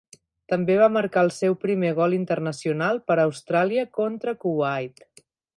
També va marcar el seu primer gol internacional per a Austràlia contra Kuwait.